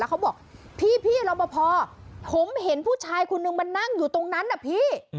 เขาบอกพี่รอปภผมเห็นผู้ชายคนนึงมานั่งอยู่ตรงนั้นนะพี่